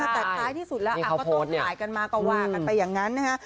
แต่ท้ายที่สุดแล้วก็ต้องถ่ายกันมาก็ว่ากันไปอย่างนั้นนะฮะ